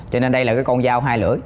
cho nên đây là cái con dao hai lưỡi